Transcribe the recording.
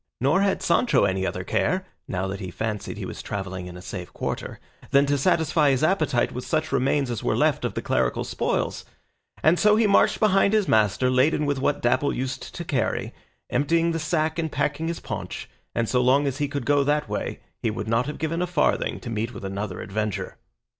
Nor had Sancho any other care (now that he fancied he was travelling in a safe quarter) than to satisfy his appetite with such remains as were left of the clerical spoils, and so he marched behind his master laden with what Dapple used to carry, emptying the sack and packing his paunch, and so long as he could go that way, he would not have given a farthing to meet with another adventure.